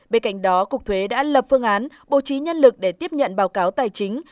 bên cạnh đó cục thuế đã lập phương án bố trí nhân lực để tiếp nhận báo cáo tài chính